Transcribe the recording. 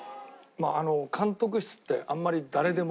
監督室ってあんまり誰でも。